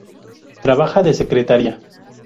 Trabaja de secretaria.